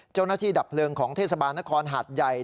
เจ้าหน้าที่ดับเผลิงของเทศบาลนครหาดใหญ่